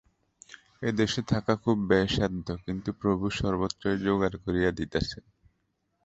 এদেশে থাকা খুব ব্যয়সাধ্য, কিন্তু প্রভু সর্বত্রই যোগাড় করিয়া দিতেছেন।